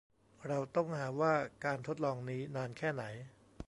เราต้องหาว่าการทดลองนี้นานแค่ไหน